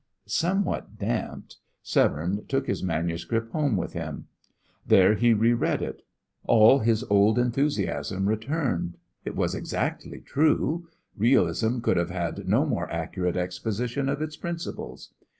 Somewhat damped, Severne took his manuscript home with him. There he re read it. All his old enthusiasm returned. It was exactly true. Realism could have had no more accurate exposition of its principles.